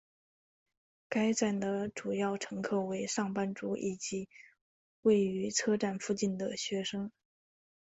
该站的主要乘客为上班族以及位于车站附近的的学生。